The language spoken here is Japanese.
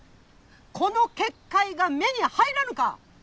この結界が目に入らぬか！